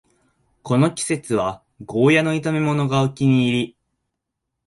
この季節はゴーヤの炒めものがお気に入り